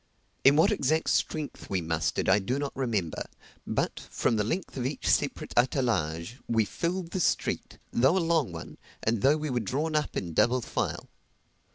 In what exact strength we mustered I do not remember; but, from the length of each separate attelage, we filled the street, though a long one, and though we were drawn up in double file.